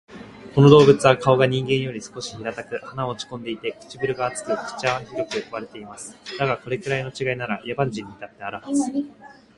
この動物は顔が人間より少し平たく、鼻は落ち込んでいて、唇が厚く、口は広く割れています。だが、これくらいの違いなら、野蛮人にだってあるはず